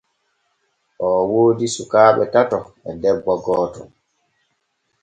Oo woodi sukaaɓe tato e debbo gooto.